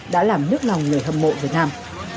đã làm nhức lòng người hâm mộ việt nam